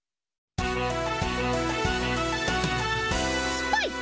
スパイ。